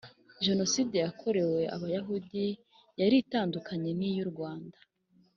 genoside yakorewe abayahudi yari itandukanye niyu rwanda